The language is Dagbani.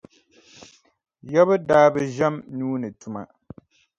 Yaba daa bi ʒɛm nuu ni tuma.